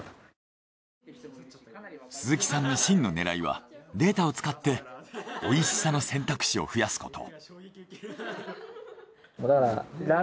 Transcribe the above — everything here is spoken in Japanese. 鈴木さんの真の狙いはデータを使って美味しさの選択肢を増やすこと。